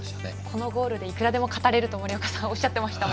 このゴールでいくらでも語れると森岡さんはおっしゃっていました。